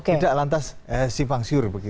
tidak lantas simpang siur